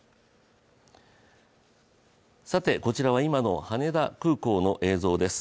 こちらは今の羽田空港の映像です。